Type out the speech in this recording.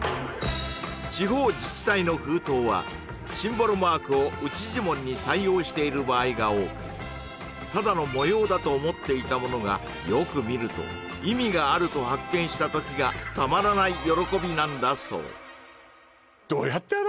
地方自治体の封筒はシンボルマークを内地紋に採用している場合が多くただの模様だと思っていたものがよく見ると意味があると発見した時がたまらない喜びなんだそう